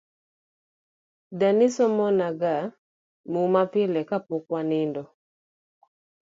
Dani somona ga muma pile kapok wanindo